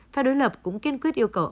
pha đối lập cũng kiên quyết yêu cầu